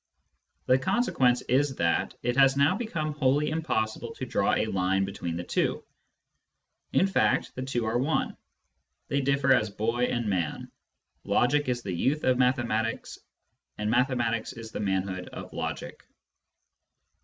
The consequence is that it has now become wholly impossible to draw a line between the two ; in fact, the l two are one. They differ as boy and man : logic is the youth of mathematics and mathematics is the manhood of logic.